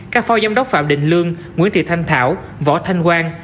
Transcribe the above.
các phó giám đốc phạm đình lương nguyễn thị thanh thảo võ thanh quang